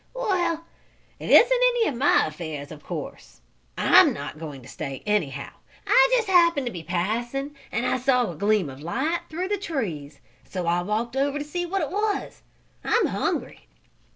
"Well, it isn't any of my affairs, of course. I'm not going to stay, anyhow. I just happened to be passing and I saw a gleam of light through the trees, so I walked over to see what it was. I'm hungry!"